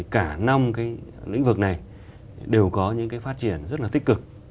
cả năm lĩnh vực này đều có những phát triển rất tích cực